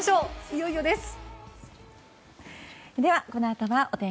いよいよです。